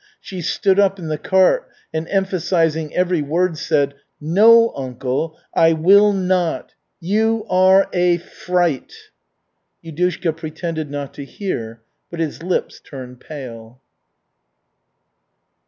She stood up in the cart and emphasizing every word, said, "No, uncle, I will not! You are a fright!" Yudushka pretended not to hear, but his lips turned pale.